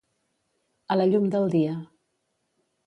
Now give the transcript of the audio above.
A la llum del dia.